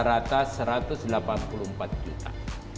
rata rata satu ratus delapan puluh empat juta